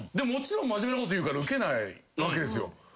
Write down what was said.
もちろん真面目なこと言うからウケないわけですよ。